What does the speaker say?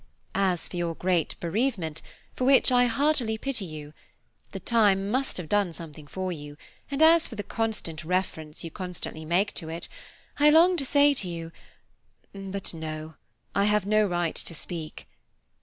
As for your great bereavement, for which I heartily pity you, time must have done something for you, and as for the constant reference you constantly make to it, I long to say to you–but no, I have no right to speak.